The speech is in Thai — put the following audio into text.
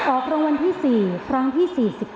ออกรางวัลที่๔ครั้งที่๔๑